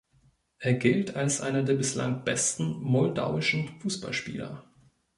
Er gilt als einer der bislang besten moldauischen Fußballspieler.